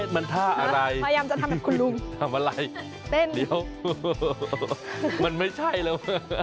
มันท่าอะไรพยายามจะทำแบบคุณลุงทำอะไรเต้นเดี๋ยวมันไม่ใช่แล้วเว้ย